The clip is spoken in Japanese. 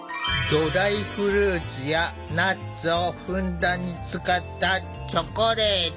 ドライフルーツやナッツをふんだんに使ったチョコレート。